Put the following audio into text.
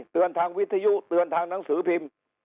เตือนทางวิทยุเตือนทางหนังสือพิมพ์